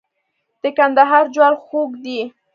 د کندهار جوار خوږ دي.